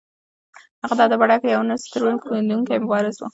هغه د ادب په ډګر کې یو نه ستړی کېدونکی مبارز و.